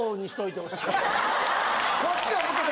こっちを向けて。